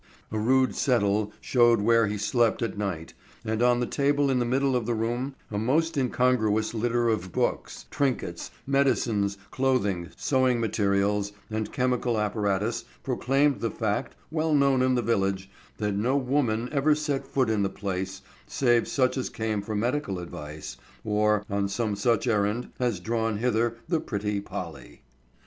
A rude settle showed where he slept at night, and on the table in the middle of the room, a most incongruous litter of books, trinkets, medicines, clothing, sewing materials, and chemical apparatus proclaimed the fact, well known in the village, that no woman ever set foot in the place, save such as came for medical advice or on some such errand as had drawn hither the pretty Polly.